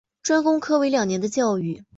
专攻科为两年的教育。